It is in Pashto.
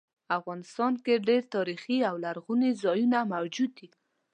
افغانستان کې ډیر تاریخي او لرغوني ځایونه موجود دي